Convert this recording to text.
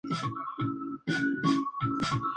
Nunca fríos.